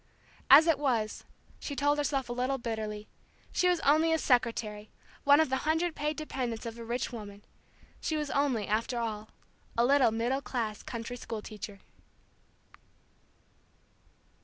As it was, she told herself a little bitterly, she was only a secretary, one of the hundred paid dependents of a rich woman. She was only, after all, a little middle class country school teacher.